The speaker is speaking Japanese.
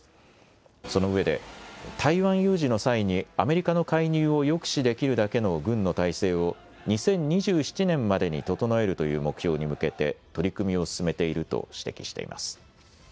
その上で、台湾有事の際にアメリカの介入を抑止できるだけの軍の態勢を、２０２７年までに整えるという目標に向けて、取り組みを進めていると指摘しています。